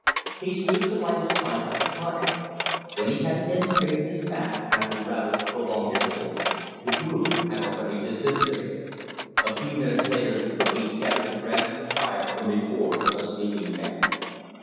He stooped to light his pipe at the fire. When he had again straightened his back after rather a prolonged interval, the group had already disintegrated. A few minutes later the cookee scattered the brands of the fire from before a sleeping camp.